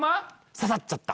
刺さっちゃった。